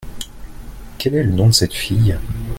Quel est le nom de cette fille ?